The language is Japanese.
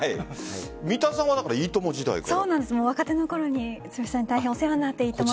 三田さんは「いいとも」時代から。